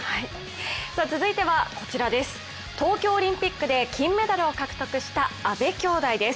続いては東京オリンピックで金メダルを獲得した阿部兄妹です。